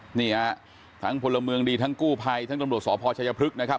นี่ฮะทั้งพลเมืองดีทั้งกู้ภัยทั้งตำรวจสพชัยพฤกษ์นะครับ